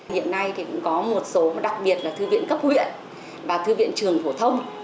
hiện nay thì cũng có một số đặc biệt là thư viện cấp huyện và thư viện trường phổ thông